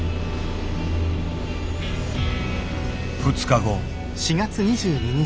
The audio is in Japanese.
２日後。